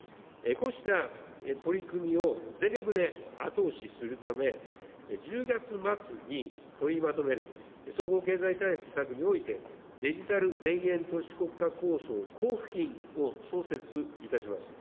こうした取り組みを全力で後押しするため、１０月末に取りまとめる総合経済対策において、デジタル田園都市国家構想交付金を創設いたします。